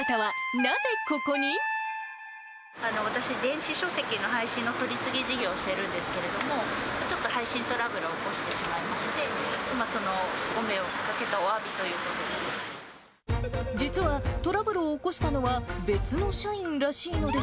私、電子書籍の配信の取り次ぎ事業をしてるんですけれども、ちょっと配信トラブルを起こしてしまいまして、そのご迷惑かけたおわびということで。